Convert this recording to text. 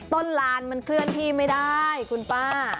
ลานมันเคลื่อนที่ไม่ได้คุณป้า